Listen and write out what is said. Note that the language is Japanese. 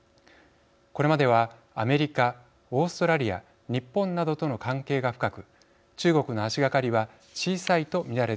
これまではアメリカオーストラリア日本などとの関係が深く中国の足がかりは小さいと見られていました。